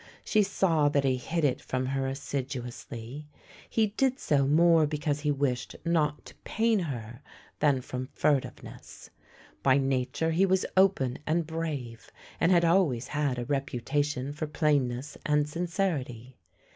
She saw that he hid it from her assiduously. He did so more because he wished not to pain her than from furtiveness. By nature he was open and brave, and had always had a reputation for plainness and sincerity.